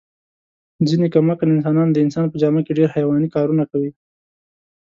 ځنې کم عقل انسانان د انسان په جامه کې ډېر حیواني کارونه کوي.